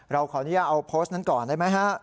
เราขออนุญาตเอาโพสต์นั้นก่อนได้ไหมฮะ